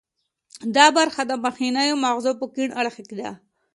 دا برخه د مخنیو مغزو په کیڼ اړخ کې ده